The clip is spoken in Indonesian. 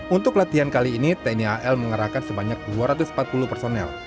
untuk latihan kali ini tni al mengerahkan sebanyak dua ratus empat puluh personel